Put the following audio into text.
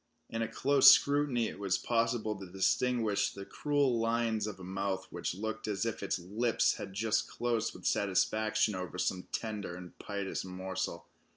In a close scrutiny it was possible to distinguish the cruel lines of a mouth which looked as if its lips had just closed with satisfaction over some tender and piteous morsel.